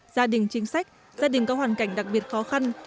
gia đình chính sách gia đình có hoàn cảnh đặc biệt khó khăn